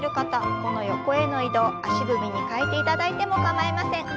この横への移動足踏みに変えていただいても構いません。